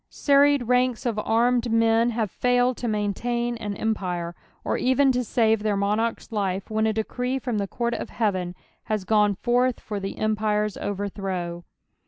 Serried ranks of armed men have failed to maintain on empire, or even to save their monarch's life when a decree from the court of heaven has gone forth for the empire's overthrow.